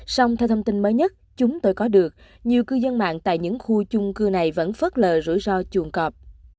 xong theo thông tin mới nhất chúng tôi có được nhiều cư dân mạng tại những khu chung cư này vẫn phớt lờ rủi ro chuồng cọp